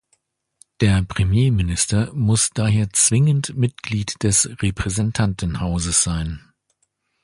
Der Premierminister muss daher zwingend Mitglied des Repräsentantenhauses sein.